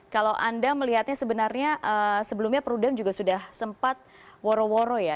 kalau anda melihatnya sebenarnya sebelumnya perudam juga sudah sempat woro woro ya